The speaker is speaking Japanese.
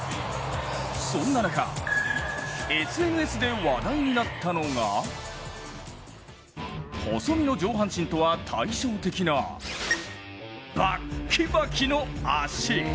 そんな中、ＳＮＳで話題になったのが細身の上半身とは対照的なバッキバキの足。